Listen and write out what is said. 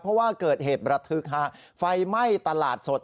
เพราะว่าเกิดเหตุระทึกฮะไฟไหม้ตลาดสด